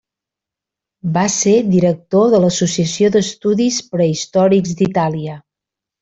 Va ser director de l'Associació d'Estudis Prehistòrics d'Itàlia.